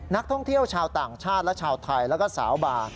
นักท่องเที่ยวชาวต่างชาติและชาวไทยแล้วก็สาวบาร์